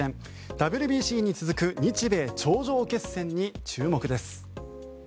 ＷＢＣに続く日米頂上決戦に注目です。